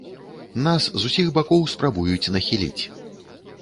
Нас з усіх бакоў спрабуюць нахіліць.